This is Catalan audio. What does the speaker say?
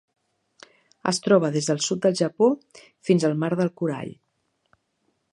Es troba des del sud del Japó fins al Mar del Corall.